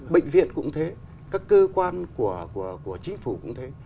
bệnh viện cũng thế các cơ quan của chính phủ cũng thế